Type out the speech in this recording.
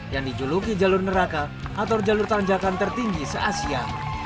yang dijuluki jalur neraka atau jalur tanjakan tertinggi se asia